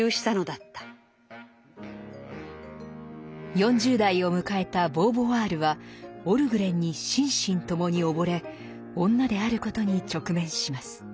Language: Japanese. ４０代を迎えたボーヴォワールはオルグレンに心身ともに溺れ女であることに直面します。